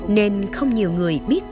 nên không nhiều người biết